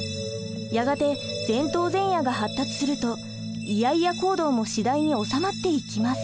やがて前頭前野が発達するとイヤイヤ行動も次第に収まっていきます。